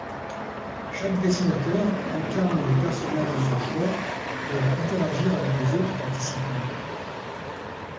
Chaque dessinateur incarne le personnage de son choix pour interagir avec les autres participants.